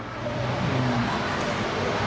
อืม